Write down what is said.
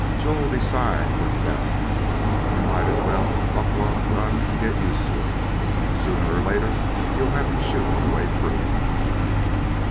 Joe'll decide what's best. And you might as well buckle on a gun and get used to it. Sooner or later you'll have to shoot your way through."